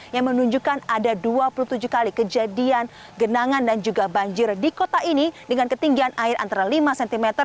yang menunjukkan ada dua puluh tujuh kali kejadian genangan dan juga banjir di kota ini dengan ketinggian air antara lima cm